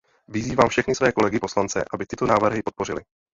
Vyzývám všechny své kolegy poslance, aby tyto návrhy podpořili.